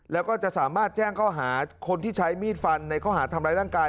แล้วก็จะสามารถแจ้งข้อหาคนที่ใช้มีดฟันในข้อหาทำร้ายร่างกาย